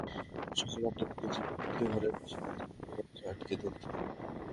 সকাল আটটার দিকে জসিমকে ঘরের পাশে ঘুরতে দেখে দরজা আটকে দেন তিনি।